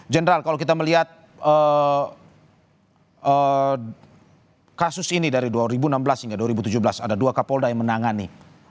general kalau kita melihat kasus ini dari dua ribu enam belas hingga dua ribu tujuh belas ada dua kapolda yang menangani